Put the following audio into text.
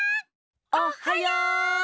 おっはよ！